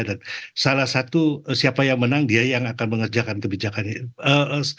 dan salah satu siapa yang menang dia yang akan mengerjakan kebijakannya